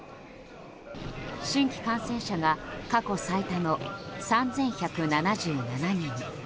新規感染者が過去最多の３１７７人。